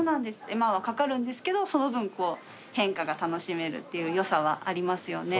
手間はかかるんですけどその分変化が楽しめるっていうよさはありますよね。